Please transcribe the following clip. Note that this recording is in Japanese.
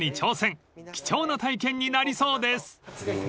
［貴重な体験になりそうです］